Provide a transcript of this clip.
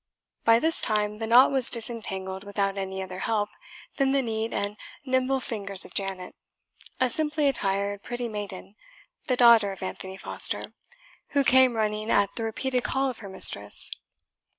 By this time the knot was disentangled without any other help than the neat and nimble fingers of Janet, a simply attired pretty maiden, the daughter of Anthony Foster, who came running at the repeated call of her mistress.